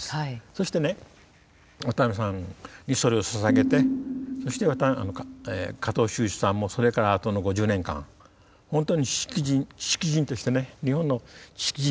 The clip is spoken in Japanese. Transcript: そしてね渡辺さんにそれを捧げてそして加藤周一さんもそれからあとの５０年間本当に知識人としてね日本の知識人とはこういうものだと。